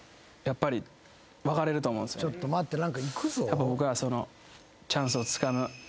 やっぱ僕はその。